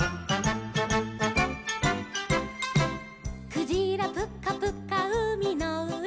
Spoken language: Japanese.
「クジラプカプカうみのうえ」